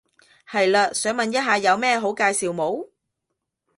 係嘞，想問一下有咩好介紹冇？